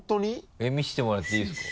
えっ見せてもらっていいですか？